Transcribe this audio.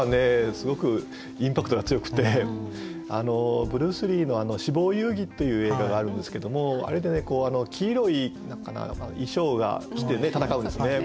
すごくインパクトが強くてブルース・リーの「死亡遊戯」という映画があるんですけどもあれでね黄色い衣装が着てね戦うんですね。